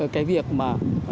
cái việc mà